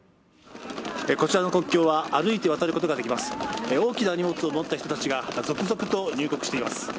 こちらの国境は歩いて渡ることができます大きな荷物を持った人たちが続々と入国しています